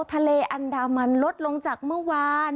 ทะเลอันดามันลดลงจากเมื่อวาน